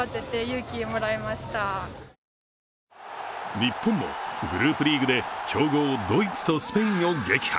日本もグループリーグで強豪ドイツとスペインを撃破。